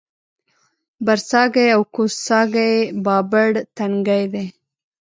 برڅاګی او کوز څاګی بابړ تنګی دی